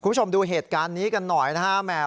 คุณผู้ชมดูเหตุการณ์นี้กันหน่อยนะฮะ